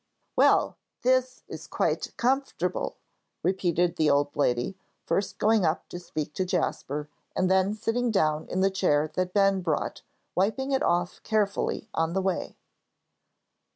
"Well, this is quite comfortable," repeated the old lady, first going up to speak to Jasper, and then sitting down in the chair that Ben brought, wiping it off carefully on the way.